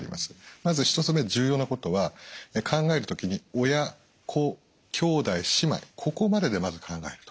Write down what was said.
まず１つ目重要なことは考える時に親・子・兄弟姉妹ここまででまず考えると。